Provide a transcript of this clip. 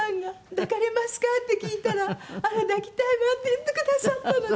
「抱かれますか？」って聞いたら「あら抱きたいわ」って言ってくださったので。